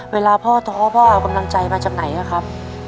เวลาพ่อท้อพ่อเอากำลังใจมาจากไหนอะครับ